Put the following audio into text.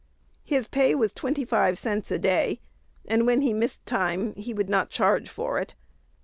His pay was twenty five cents a day; "and, when he missed time, he would not charge for it."